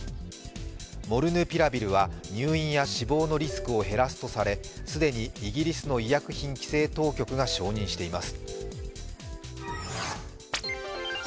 モルヌピラビルは入院や死亡のリスクを減らすとされ既にイギリスの医薬品規制当局が承認しています。